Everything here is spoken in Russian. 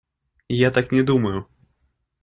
Я так не думаю.